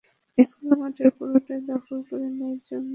School মাঠের পুরোটাই দখল করে নেই জংলি এই ঘাসটা।